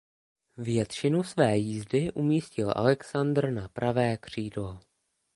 Většinu své jízdy umístil Alexandr na pravé křídlo.